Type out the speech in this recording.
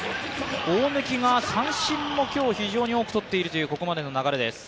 大貫が三振も今日、非常に多くとっているというここまでの流れです。